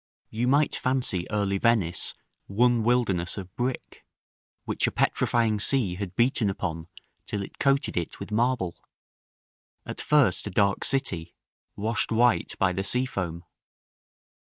You might fancy early Venice one wilderness of brick, which a petrifying sea had beaten upon till it coated it with marble: at first a dark city washed white by the sea foam.